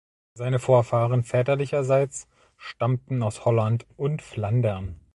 Seine Vorfahren väterlicherseits stammten aus Holland und Flandern.